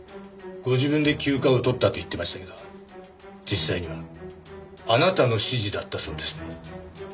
ご自分で休暇を取ったって言ってましたけど実際にはあなたの指示だったそうですね？